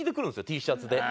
Ｔシャツで。